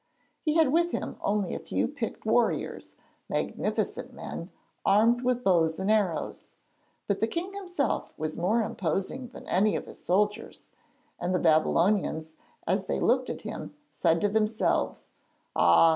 He had with him only a few picked warriors, magnificent men armed with bows and arrows; but the king himself was more imposing than any of his soldiers, and the Babylonians, as they looked at him, said to themselves: 'Ah!